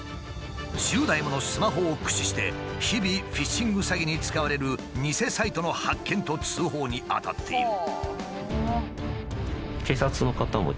１０台ものスマホを駆使して日々フィッシング詐欺に使われる偽サイトの発見と通報に当たっている。